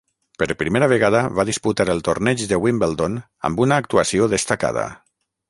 Per primera vegada va disputar el torneig de Wimbledon amb una actuació destacada.